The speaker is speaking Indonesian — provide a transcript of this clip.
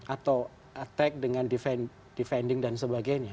atau attack dengan defending dan sebagainya